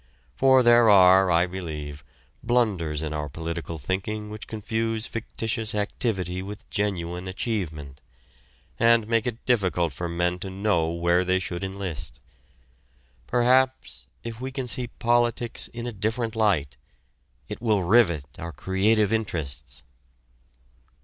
For there are, I believe, blunders in our political thinking which confuse fictitious activity with genuine achievement, and make it difficult for men to know where they should enlist. Perhaps if we can see politics in a different light, it will rivet our creative interests.